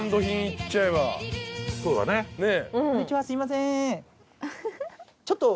すいません。